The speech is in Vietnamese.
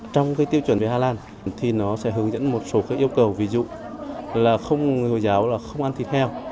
trong tiêu chuẩn về hà lan thì nó sẽ hướng dẫn một số yêu cầu ví dụ là người hồi giáo không ăn thịt heo